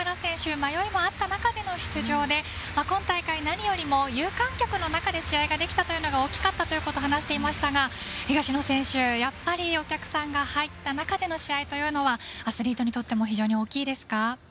迷いもあった中での出場で今大会、何よりも有観客の中で試合ができたというのが大きかったということを話していましたが東野選手お客さんが入った中での試合というのはアスリートにとっても非常に大きいですか？